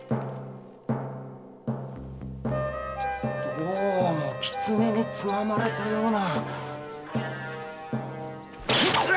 どうも狐につままれたような。